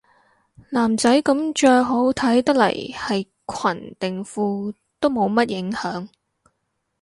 男仔噉着好睇得嚟係裙定褲都冇乜影響